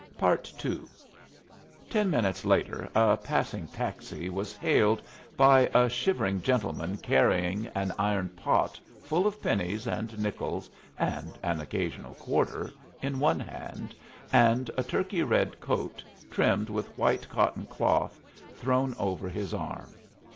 II Ten minutes later a passing taxi was hailed by a shivering gentleman carrying an iron pot full of pennies and nickels and an occasional quarter in one hand, and a turkey red coat, trimmed with white cotton cloth, thrown over his arm.